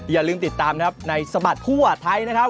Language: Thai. อย่าลืมติดตามนะครับในสบัดทั่วไทยนะครับ